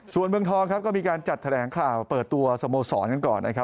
ส่วนเมืองทองครับก็มีการจัดแถลงข่าวเปิดตัวสโมสรกันก่อนนะครับ